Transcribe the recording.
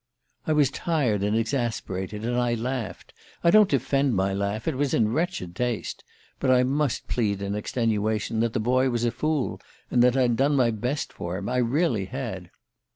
"I was tired and exasperated, and I laughed. I don't defend my laugh it was in wretched taste. But I must plead in extenuation that the boy was a fool, and that I'd done my best for him I really had.